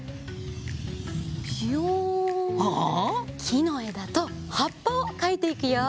きのえだとはっぱをかいていくよ。